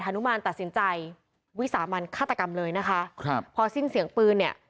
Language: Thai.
นุมานตัดสินใจวิสามันฆาตกรรมเลยนะคะครับพอสิ้นเสียงปืนเนี่ย